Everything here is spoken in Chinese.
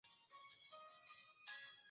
林廷圭之子。